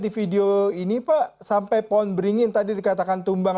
di video ini pak sampai pohon beringin tadi dikatakan tumbang